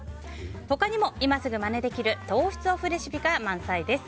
他にも今すぐまねできる糖質オフレシピが満載です。